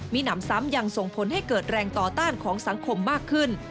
มีหนำซ้ำยังส่งผลให้เกิดแรงต่อต้านของสังคมมากขึ้น